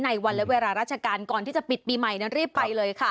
ในวันและเวลาราชการก่อนที่จะปิดปีใหม่นั้นรีบไปเลยค่ะ